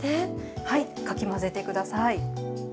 はいかき混ぜて下さい。